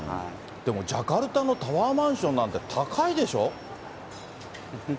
でもジャカルタのタワーマンションなんて高いでしょ。